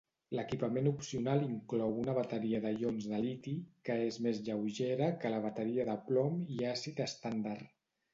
L'equipament opcional inclou una bateria de ions de liti, que és més lleugera que la bateria de plom i àcid estàndard.